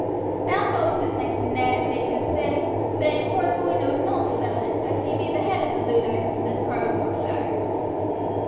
Thou know'st, Maister Ned, they do say, but in course oi knows nowt about it, as he be the head of the Luddites in this part of Yorkshire.